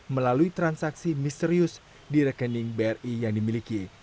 melalui transaksi misterius di rekening bri yang dimiliki